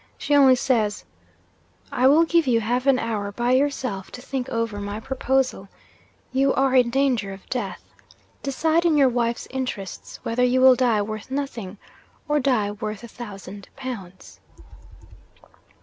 She only says, "I will give you half an hour by yourself, to think over my proposal. You are in danger of death. Decide, in your wife's interests, whether you will die worth nothing, or die worth a thousand pounds."